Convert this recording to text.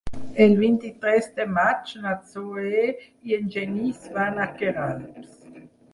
El vint-i-tres de maig na Zoè i en Genís van a Queralbs.